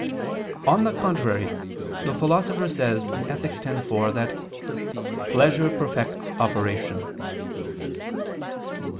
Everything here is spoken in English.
On the contrary, The Philosopher says (Ethic. x, 4) that "pleasure perfects operation."